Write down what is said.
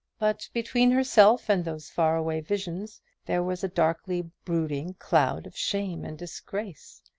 But between herself and those far away visions there was a darkly brooding cloud of shame and disgrace.